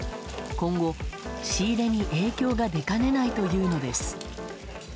今後、仕入れに影響が出かねないというのです。